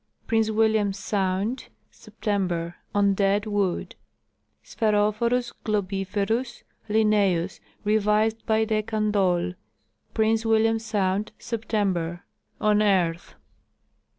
Prince William sound, September. On dead wood. Sphearophorus globiferus, (L.) D. C. Prince William sound, September. On earth.